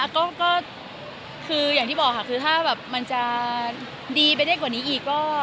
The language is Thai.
ก็อยากที่บอกค่ะถ้ามันจะดีไปเร็กกว่านี้อีก